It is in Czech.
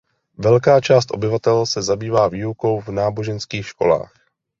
Velká část obyvatel se zabývá výukou v náboženských školách.